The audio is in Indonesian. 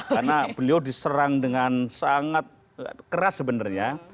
karena beliau diserang dengan sangat keras sebenarnya